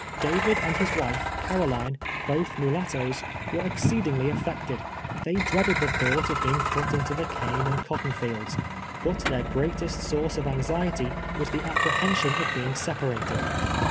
David and his wife, Car(»line, both mulat toes, Avere exceedini2, ly affected. They dreaded the thought of being |)ut into the cane and cotton fields; but their greatest source of anxiety Avas the apprehen sion of being separated.